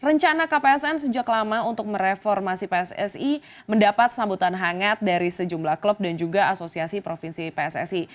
rencana kpsn sejak lama untuk mereformasi pssi mendapat sambutan hangat dari sejumlah klub dan juga asosiasi provinsi pssi